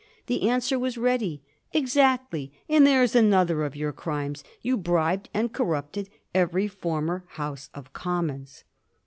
The answer was ready :" Exactly ; and there is another of your crimes : you bribed and corrupted every former House of Com mons."